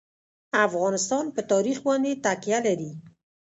افغانستان په تاریخ باندې تکیه لري.